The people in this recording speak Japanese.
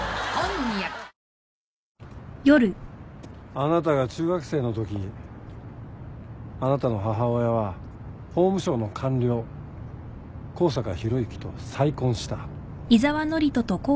あなたが中学生のときあなたの母親は法務省の官僚香坂博之と再婚した。